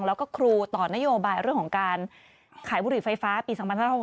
แล้วก็ครูต่อนโยบายเรื่องของการขายบุหรี่ไฟฟ้าปี๒๕๖๖